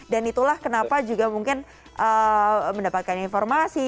dan itulah kenapa juga mungkin mendapatkan informasi